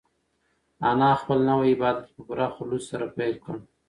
انا خپل نوی عبادت په پوره خلوص سره پیل کړ.